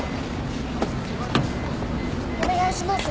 お願いします。